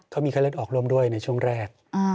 เขามีไข้เลือดออกร่วมด้วยในช่วงแรก